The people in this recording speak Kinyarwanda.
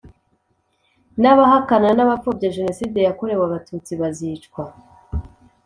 n abahakana n abapfobya Jenoside yakorewe Abatutsi bazicwa